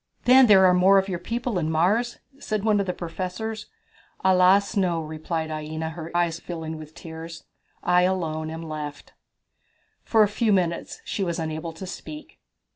"Then there are more of your people in Mars?" said one of the professors. "Alas, no," replied Aina, her eyes filling with tears, "I alone am left." For a few minutes she was unable to speak.